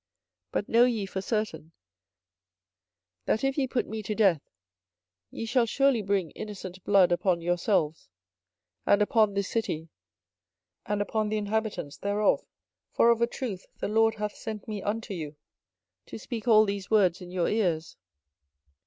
24:026:015 But know ye for certain, that if ye put me to death, ye shall surely bring innocent blood upon yourselves, and upon this city, and upon the inhabitants thereof: for of a truth the LORD hath sent me unto you to speak all these words in your ears.